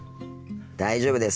大丈夫です。